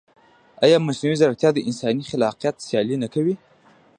ایا مصنوعي ځیرکتیا د انساني خلاقیت سیالي نه کوي؟